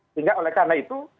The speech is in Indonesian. sehingga oleh karena itu